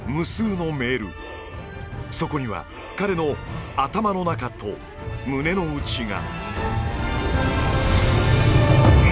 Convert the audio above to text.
そこには彼の頭の中と胸の内が。